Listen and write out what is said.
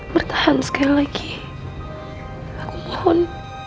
bertahan sekali lagi aku mohon